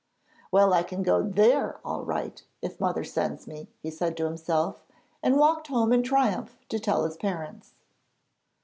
'Well, I can go there all right, if mother sends me,' he said to himself, and walked home in triumph to tell his parents.